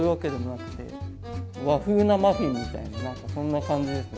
和風なマフィンみたいな何かそんな感じですね。